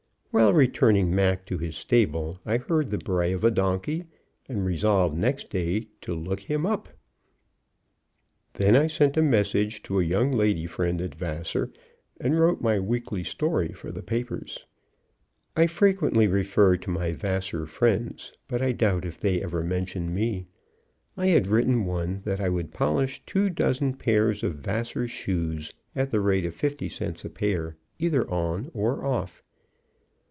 While returning Mac to his stable I heard the bray of a donkey, and resolved next day to look him up. Then I sent a message to a young lady friend at Vassar, and wrote my weekly story for the papers. I frequently refer to my Vassar friends, but I doubt if they ever mention me. I had written one that I would polish two dozen pairs of Vassar shoes at the rate of fifty cents a pair, either on, or off.